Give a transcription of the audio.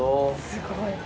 すごい。